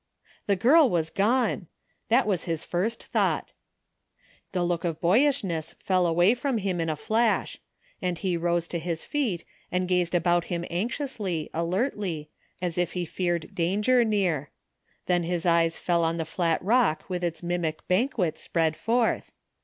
The girl was gone ! That was his first thought The look of boyishness fell away frcnn him in a flash, and he rose to his feet and gazed about him anxiously, alertly, as if he feared danger near. Then his eyes fell on the flat rock with its mimic banquet spread forth!